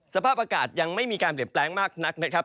สภาพอากาศยังไม่มีการเปลี่ยนแปลงมากนักนะครับ